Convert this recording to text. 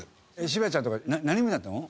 渋谷ちゃんとか何部だったの？